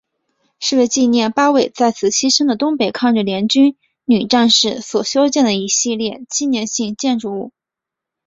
是为纪念八位在此牺牲的东北抗日联军女战士所修建的一系列纪念性建筑物。